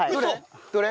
どれ？